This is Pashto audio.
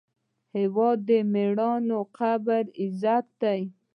هېواد د میړنیو قبرو عزت دی.